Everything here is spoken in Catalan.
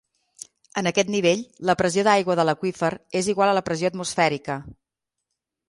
En aquest nivell la pressió d'aigua de l'aqüífer és igual a la pressió atmosfèrica.